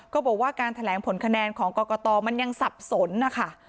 ก็บอกว่าการแถลงผลคะแนนของกรกตมันยังสับสนนะคะ